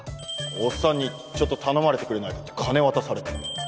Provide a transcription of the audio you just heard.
おっさんにちょっと頼まれてくれないかって金渡されて